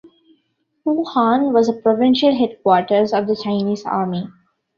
Wuhan was the provisional headquarters of the Chinese Army.